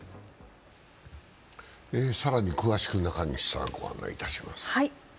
更に詳しく中西さんがご案内いたします。